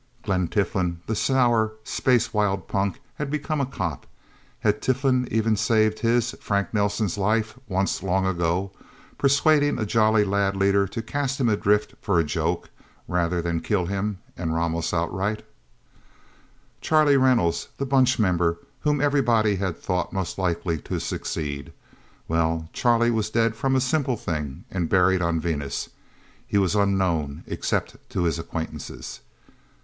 Glen Tiflin the sour, space wild punk who had become a cop. Had Tiflin even saved his Frank Nelsen's life, once, long ago, persuading a Jolly Lad leader to cast him adrift for a joke, rather than to kill him and Ramos outright...? Charlie Reynolds the Bunch member whom everybody had thought most likely to succeed. Well, Charlie was dead from a simple thing, and buried on Venus. He was unknown except to his acquaintances.